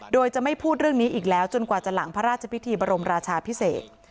โดยจะไม่พูดเรื่องนี้อีกแล้วจนกว่าจะหลังพระราชพิธีบรมราชาพิเศษ